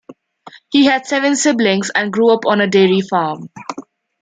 He had seven siblings, and grew up on a dairy farm.